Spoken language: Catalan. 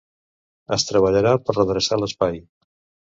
Es treballarà per redreçar l'espai.